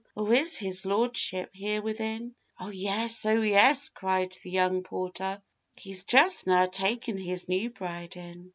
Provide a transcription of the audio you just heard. Or is his Lordship here within?' 'O, yes! O, yes!' cried the young portèr, 'He's just now taken his new bride in.